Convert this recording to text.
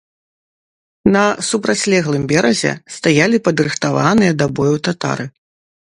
На супрацьлеглым беразе стаялі падрыхтаваныя да бою татары.